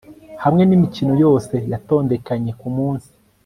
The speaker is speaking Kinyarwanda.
hamwe nimikino yose yatondekanye kumunsi